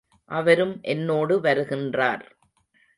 அவரும் என்னோடு வருகின்றார்.